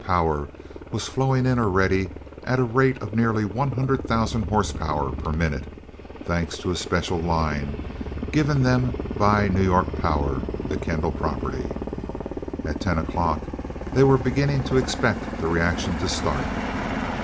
Power was flowing in already at a rate of nearly one hundred thousand horsepower per minute, thanks to a special line given them by New York Power (a Kendall property). At ten o'clock they were beginning to expect the reaction to start.